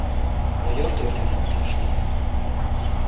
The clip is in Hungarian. Magyar Történelmi Társulat.